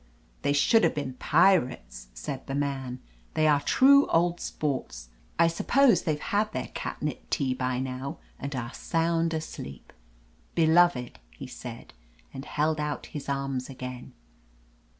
"They should have been pirates!" said the man. "They are true old sports. I suppose they've had their catnip tea by now and are sound asleep. Beloved !" he said, and held out his arms again.